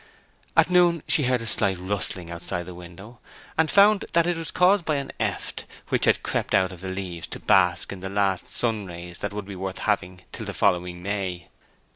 At noon she heard a slight rustling outside the window, and found that it was caused by an eft which had crept out of the leaves to bask in the last sun rays that would be worth having till the following May.